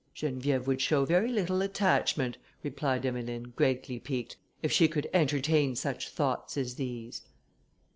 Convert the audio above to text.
'" "Geneviève would show very little attachment," replied Emmeline, greatly piqued, "if she could entertain such thoughts as these."